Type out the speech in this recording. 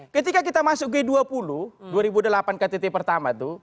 ketika kita masuk g dua puluh dua ribu delapan ktt pertama itu